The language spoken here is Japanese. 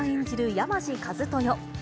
山路一豊。